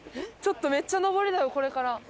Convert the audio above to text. ちょっとめっちゃ上りだよこれから。